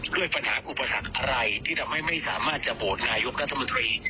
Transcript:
ด้วยปัญหาอุปสรรคอะไรที่ทำให้ไม่สามารถจะโหวตนายกรัฐมนตรี